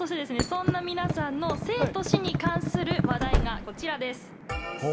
そんな皆さんの生と死に関する話題がこちらです。